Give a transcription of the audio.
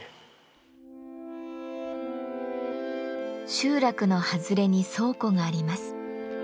集落の外れに倉庫があります。